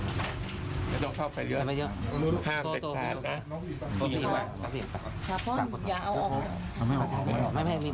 เปิดประตูมาเถอะไม่เป็นไร